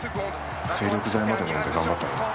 精力剤まで飲んで頑張ったのに。